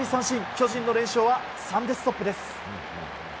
巨人の連勝は３でストップです。